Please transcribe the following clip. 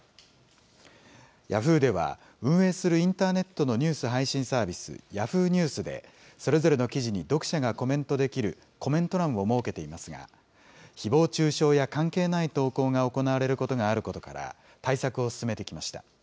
ヤフーでは、運営するインターネットのニュース配信サービス、Ｙａｈｏｏ！ニュースで、それぞれの記事に読者がコメントできるコメント欄を設けていますが、ひぼう中傷や関係ない投稿が行われることがあることから、対策を進めてきました。